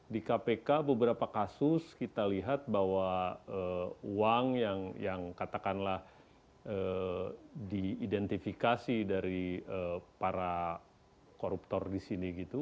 di kpk beberapa kasus kita lihat bahwa uang yang katakanlah diidentifikasi dari para koruptor di sini gitu